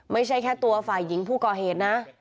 ไม่ใช่แค่ตัวฝ่ายหญิงผู้ก่อเหตุนะ